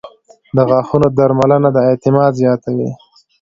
• د غاښونو درملنه د اعتماد زیاتوي.